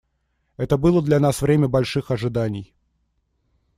Это было для нас время больших ожиданий.